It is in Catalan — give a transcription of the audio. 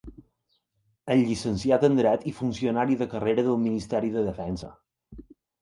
És llicenciat en Dret i funcionari de carrera del Ministeri de Defensa.